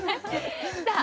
さあ